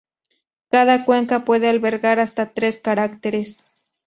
Cada cuenta puede albergar hasta tres caracteres.